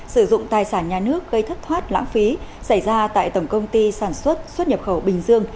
sử dụng tài sản nhà nước gây thất thoát lãng phí xảy ra tại tổng công ty sản xuất xuất nhập khẩu bình dương